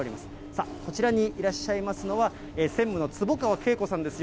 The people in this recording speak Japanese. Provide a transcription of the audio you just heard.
さあ、こちらにいらっしゃいますのは、専務の坪川恵子さんです。